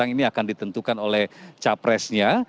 ini akan ditentukan oleh capresnya